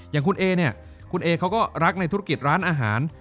อย่างคุณเอเนี่ยคุณเอเขาก็รักในธุรกิจร้านอาหาร